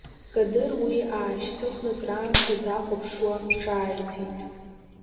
Кадыр уи аашьҭыхны краамҭа дахәаԥшуа, ҿааиҭит…